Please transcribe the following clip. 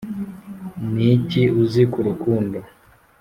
niki uzi ku rukundo?